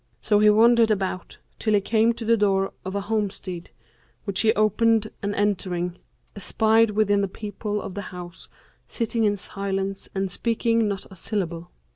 So he wandered about till he came to the door of a homestead, which he opened and entering, espied within the people of the house sitting in silence and speaking not a syllable.